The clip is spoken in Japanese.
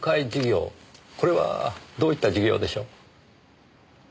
これはどういった事業でしょう？